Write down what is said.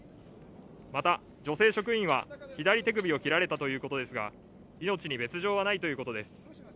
また、女性職員は左手首を切られたということですが命に別状はないということです。